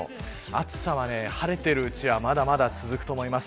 暑さは、晴れているうちはまだまだ続くと思います。